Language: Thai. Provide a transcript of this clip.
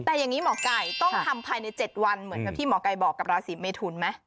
แต่อย่างนี้หมอไก่ต้องทำภายใน๗วันเหมือนกับที่หมอไก่บอกกับราศีเมทุนไหม